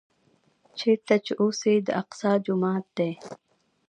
چېرته چې اوس د الاقصی جومات دی.